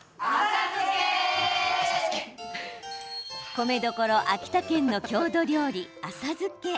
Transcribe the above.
米どころ秋田県の郷土料理あさづけ。